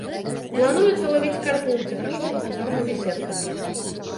Плануецца лавіць карпаў-уцекачоў азёрнымі сеткамі.